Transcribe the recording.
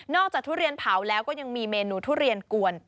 ทุเรียนเผาแล้วก็ยังมีเมนูทุเรียนกวน